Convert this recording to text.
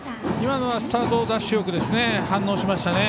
今のはスタートダッシュよく反応しました。